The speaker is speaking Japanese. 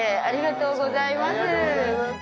ありがとうございます。